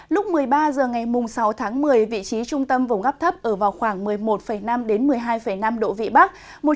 lúc một mươi ba h ngày sáu tháng một mươi vị trí trung tâm vùng áp thấp ở vào khoảng một mươi một năm một mươi hai năm độ vị bắc